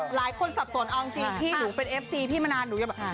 อ๋อหลายคนสับสนเอาจริงพี่หนูเป็นเอฟซีพี่มันนานหนูอยากแบบ